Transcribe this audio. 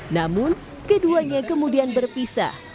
namun keduanya kemudian berpisah